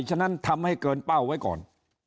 ฉะนั้นทำให้เกินเป้าไว้ก่อน